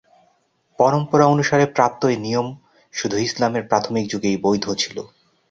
পরম্পরা অনুসারে প্রাপ্ত এ নিয়ম শুধু ইসলামের প্রাথমিক যুগেই বৈধ ছিল।